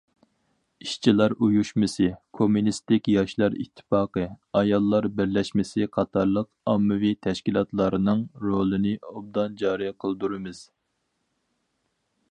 ئىشچىلار ئۇيۇشمىسى، كوممۇنىستىك ياشلار ئىتتىپاقى، ئاياللار بىرلەشمىسى قاتارلىق ئاممىۋى تەشكىلاتلارنىڭ رولىنى ئوبدان جارى قىلدۇرىمىز.